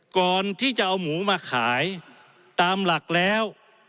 ก่อนที่จะเอาหมูมาขายตามหลักแล้ว